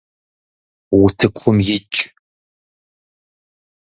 Утыкум икӏ.